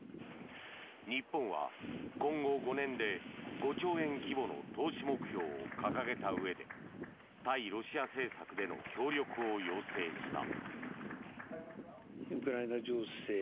日本は今後５年で５兆円規模の投資目標を掲げたうえで対ロシア政策での協力を要請した。